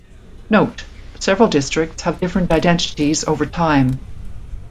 Note: several districts have different identities over time.